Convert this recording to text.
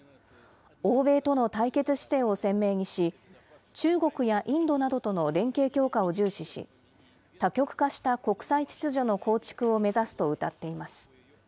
欧米との対決姿勢を鮮明にし、中国やインドなどとの連携強化を重視し、多極化した国際秩序の構築を目指すとうたっています。